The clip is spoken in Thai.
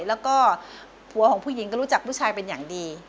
แล้วก็ผัวของผู้หญิงก็รู้จักผู้ชายเป็นอย่างดี